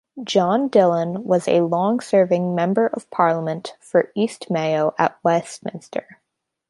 John Dillon was a long-serving Member of Parliament for East Mayo at Westminster.